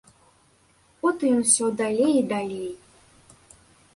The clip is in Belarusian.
От ён усё далей і далей.